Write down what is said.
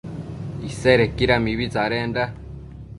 Isedequida mibi tsadenda